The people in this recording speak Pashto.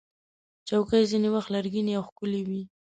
چوکۍ ځینې وخت لرګینې او ښکلې وي.